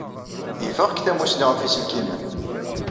Ifeɣ-k tamussni ɣef yiselkimen.